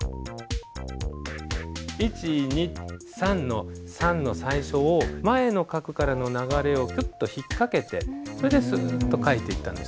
１２３の３の最初を前の画からの流れをヒュッと引っ掛けてそれでスッと書いていったんです。